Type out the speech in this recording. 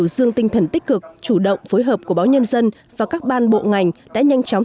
dương tinh thần tích cực chủ động phối hợp của báo nhân dân và các ban bộ ngành đã nhanh chóng